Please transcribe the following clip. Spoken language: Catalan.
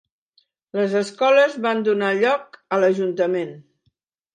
Les escoles van donar lloc a l'ajuntament.